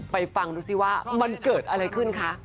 ฟังดูสิว่ามันเกิดอะไรขึ้นคะ